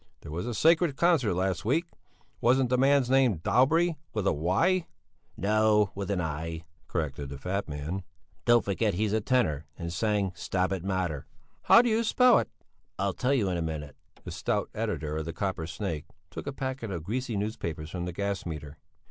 There was a sacred concert last week. Wasn't the man's name Daubry? With a 'y'?" "No, with an 'i,'" corrected the fat man. "Don't forget that he's a tenor and sang the 'Stabat Mater.'" "How do you spell it?" "I'll tell you in a minute." The stout editor of the Copper Snake took a packet of greasy newspapers from the gas meter.